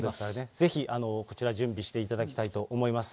ぜひこちら、準備していただきたいと思います。